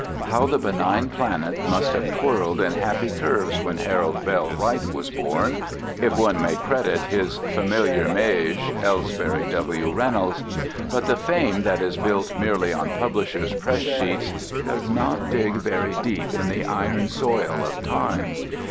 How the benign planets must have twirled in happy curves when Harold Bell Wright was born, if one may credit his familiar mage, Elsbury W. Reynolds! But the fame that is built merely on publishers' press sheets does not dig very deep in the iron soil of time.